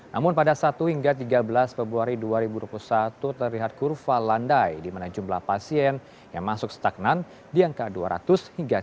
namun pada satu hingga tiga belas februari dua ribu dua puluh satu terlihat kurva landai di mana jumlah pasien yang masuk stagnan di angka dua ratus hingga tiga ratus